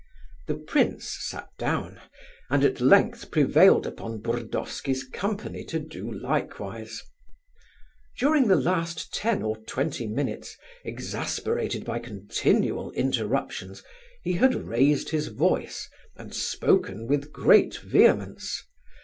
The prince sat down, and at length prevailed upon Burdovsky's company to do likewise. During the last ten or twenty minutes, exasperated by continual interruptions, he had raised his voice, and spoken with great vehemence.